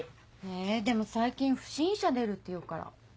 えでも最近不審者出るっていうから。